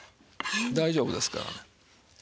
大丈夫ですからね。